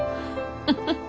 フフフ。